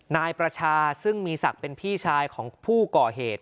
นายประชาซึ่งมีศักดิ์เป็นพี่ชายของผู้ก่อเหตุ